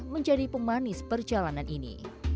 menjadi pemanis perjalanan ini